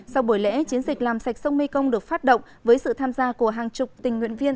sau buổi lễ chiến dịch làm sạch sông mekong được phát động với sự tham gia của hàng chục tình nguyện viên